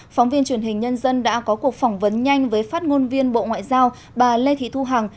phóng viên truyền hình nhân dân đã có cuộc phỏng vấn nhanh với phát ngôn viên bộ ngoại giao bà lê thị thu hằng